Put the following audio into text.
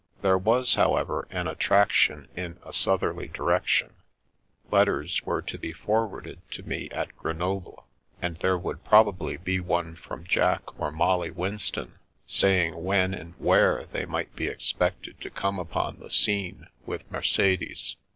There was, however, an attraction in a southerly direction : letters were to be forwarded to me at Grenoble, and there would probably be one from Jack or Molly Winston, saying when and where they might be expected to come upon the scene with Mer cedes.